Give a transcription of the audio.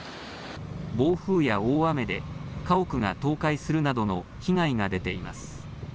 暴風や大雨で家屋が倒壊するなどの被害が出ています。